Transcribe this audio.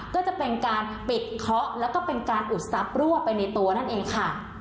ก็จะเป็นการปิดเคาะแล้วก็เป็นการอุดทรัพย์รั่วไปในตัวนั่นเองค่ะ